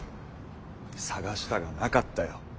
探したがなかったよ。